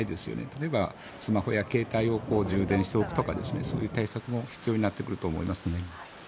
例えば、スマホや携帯を充電しておくとかそういう対策も必要になってくると思います。